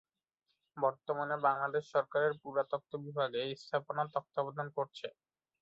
বর্তমানে বাংলাদেশ সরকারের পুরাতত্ত্ব বিভাগ এ স্থাপনার তত্ত্বাবধান করছে।